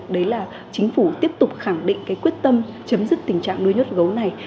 đấy là chính phủ tiếp tục khẳng định cái quyết tâm chấm dứt tình trạng nuôi nhốt gấu này